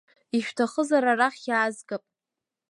Ишәҭахызар арахь иаазгап.